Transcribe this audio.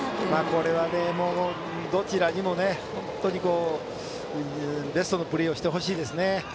これは、どちらにも本当にベストのプレーをしてほしいですね。